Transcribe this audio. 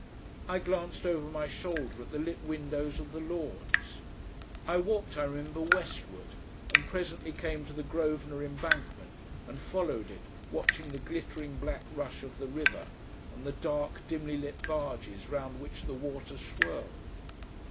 I glanced over my shoulder at the lit windows of the Lords. I walked, I remember, westward, and presently came to the Grosvenar Embankment and followed it, watching the glittering black rush of the river and the dark, dimly lit barges round which the water swirled.